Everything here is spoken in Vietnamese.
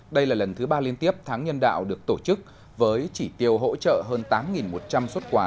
đây là lần thứ ba liên tiếp tháng nhân đạo được tổ chức với chỉ tiêu hỗ trợ hơn tám một trăm linh xuất quà